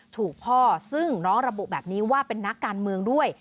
ถูกพ่อซึ่งน้องระบุแบบนี้ว่าเป็นนักการเมืองด้วย